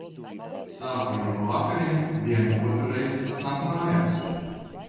Sāku jau pa vakariem vienu otru reizi atnākt mājās.